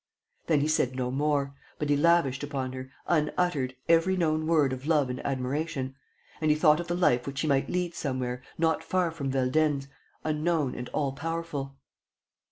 Then he said no more, but he lavished upon her, unuttered, every known word of love and admiration; and he thought of the life which he might lead somewhere, not far from Veldenz, unknown and all powerful.